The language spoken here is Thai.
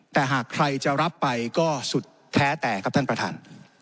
แต่หากใครจะรับไปก็สุดแท้แต่ครับท่านประธาน